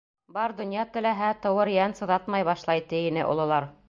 Бар донъя теләһә, тыуыр йән сыҙатмай башлай, ти ине ололар.